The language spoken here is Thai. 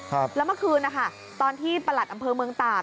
แล้วเมื่อคืนนะคะตอนที่ประหลัดอำเภอเมืองตาก